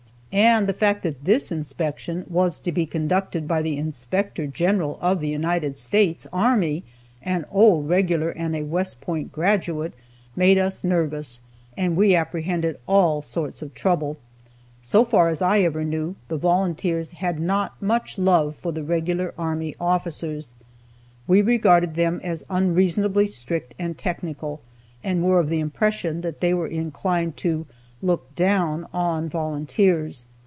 And the fact that this inspection was to be conducted by the Inspector General of the United States Army, an old regular, and a West Point graduate, made us nervous, and we apprehended all sorts of trouble. So far as I ever knew, the volunteers had not much love for the regular army officers. We regarded them as unreasonably strict and technical, and were of the impression that they were inclined to "look down" on volunteers.